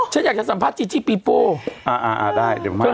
ฉันอยากจะสัมภาษณ์จีจี้ปีโป้อ่าได้เดี๋ยวมา